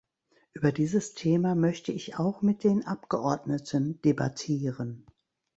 Über dieses Thema möchte ich auch mit den Abgeordneten debattieren.